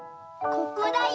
ここだよ。